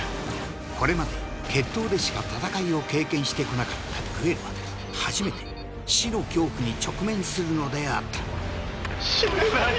これまで決闘でしか戦いを経験してこなかったグエルは初めて死の恐怖に直面するのであった死ねない。